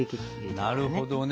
なるほどね。